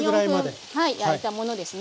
３４分焼いたものですね。